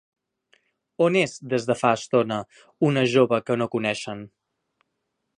On és des de fa estona una jove que no coneixen?